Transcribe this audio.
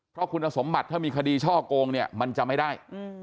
เพราะคุณสมบัติถ้ามีคดีช่อโกงเนี่ยมันจะไม่ได้